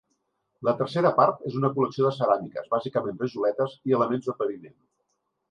La tercera part és una col·lecció de ceràmiques, bàsicament rajoletes i elements de paviment.